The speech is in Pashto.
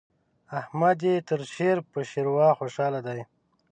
احمد يې تر شير په شېروا خوشاله دی.